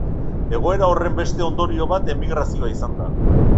Egoera horren beste ondorio bat emigrazioa izan da.